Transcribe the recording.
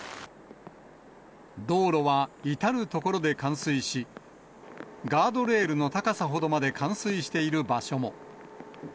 道路は至る所で冠水し、ガードレールの高さほどまで冠水している場所も。